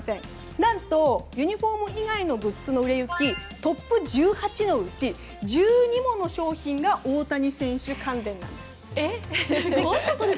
なんとユニホーム以外の売れ行きトップ１８のうち１２もの商品が大谷選手関連なんです。